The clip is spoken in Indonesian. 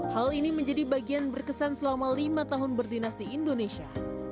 hal ini menjadi bagian berkesan selama lima tahun berdinas di indonesia